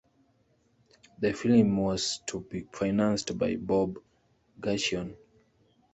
The film was to be financed by Bob Guccione.